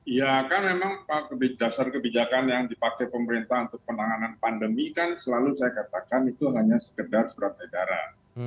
iya kan memang dasar kebijakan yang dipakai pemerintah untuk penanganan pandemi kan selalu saya katakan itu hanya sekedar surat edaran